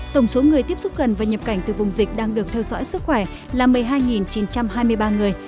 tổng số người tiếp xúc gần và nhập cảnh từ vùng dịch đang được theo dõi sức khỏe là một mươi hai chín trăm hai mươi ba người